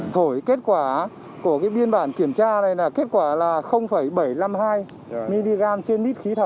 thổi kết quả của biên bản kiểm tra này là kết quả là bảy trăm năm mươi hai mg trên lít khí thở